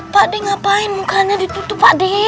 pak d ngapain mukanya ditutup pak d